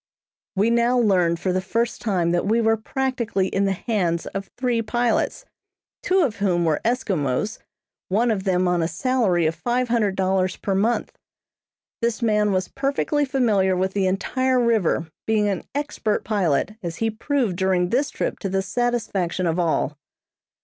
We now learned for the first time that we were practically in the hands of three pilots, two of whom were Eskimos, one of them on a salary of five hundred dollars per month. This man was perfectly familiar with the entire river, being an expert pilot, as he proved during this trip to the satisfaction of all.